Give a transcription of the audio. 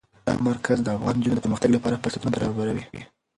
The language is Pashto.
دا مرکز د افغان نجونو د پرمختګ لپاره فرصتونه برابروي.